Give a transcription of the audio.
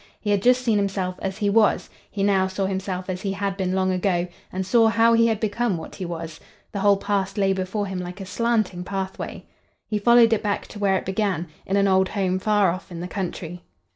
He had just seen himself as he was; he now saw himself as he had been long ago, and saw how he had become what he was. The whole past lay before him like a slanting pathway. He followed it back to where it began—in an old home far off in the country.